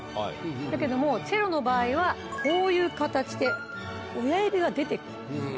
だけどもチェロの場合はこういう形で親指が出て来る。